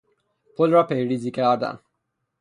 پل را پیریزی کردن